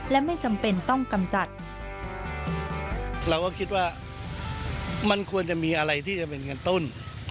และไม่จำเป็นต้องกำจัดเราก็คิดว่ามันควรจะมีอะไรที่จะเป็นกระตุ้น